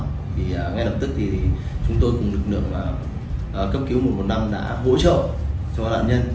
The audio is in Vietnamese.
thì ngay lập tức thì chúng tôi cùng lực lượng cấp cứu một trăm một mươi năm đã hỗ trợ cho các nạn nhân